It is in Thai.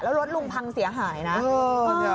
แล้วรถลุงพังเสียหายนะ